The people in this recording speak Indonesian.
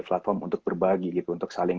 platform untuk berbagi gitu untuk saling